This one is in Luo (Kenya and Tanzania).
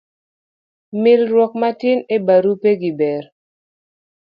milruok matin e barupe gi ber